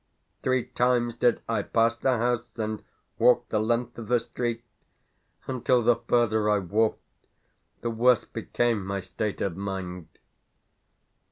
Three times did I pass the house and walk the length of the street; until the further I walked, the worse became my state of mind.